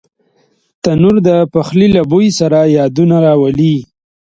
تنور د پخلي له بوی سره یادونه راولي